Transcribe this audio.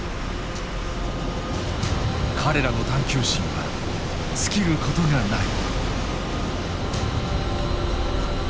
彼らの探求心は尽きることがない。